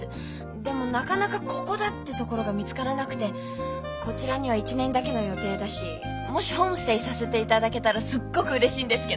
でもなかなかここだってところが見つからなくてこちらには１年だけの予定だしもしホームステイさせていただけたらすっごくうれしいんですけど。